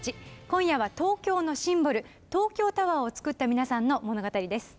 今夜は東京のシンボル東京タワーを造った皆さんの物語です。